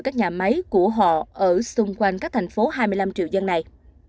các nhà máy của họ ở xung quanh các thành phố hai mươi năm triệu dân này